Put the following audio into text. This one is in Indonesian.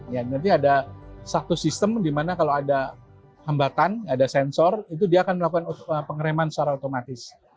ya nanti ada satu sistem di mana kalau ada hambatan ada sensor itu dia akan melakukan pengereman secara otomatis